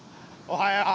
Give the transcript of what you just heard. おはよう。